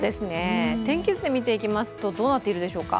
天気図で見ていきますとどうなっていますでしょうか。